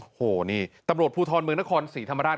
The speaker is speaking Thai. โอ้โหนี่ตำรวจภูทรเมืองนครศรีธรรมราช